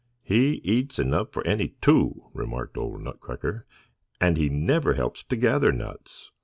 "He eats enough for any two," remarked old Nutcracker, "and he never helps to gather nuts."